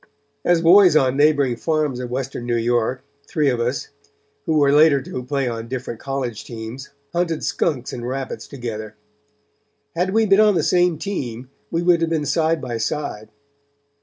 "As boys on neighboring farms of Western New York, three of us, who were later to play on different college teams, hunted skunks and rabbits together. Had we been on the same team we would have been side by side.